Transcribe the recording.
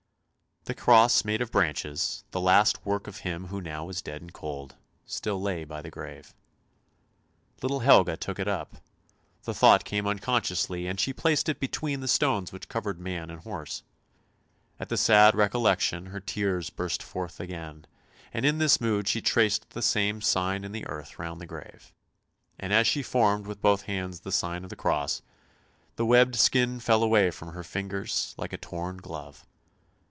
The cross made of branches, the last work of him who now was dead and cold, still lay by the grave. Little Helga took it up, the thought came unconsciously, and she placed it between the stones which covered man and horse. At the sad recollection her tears burst forth again, and in this mood she traced the same sign in the earth round the grave — and as she formed with both hands the sign of the cross, the webbed skin fell away from her fingers like a torn glove.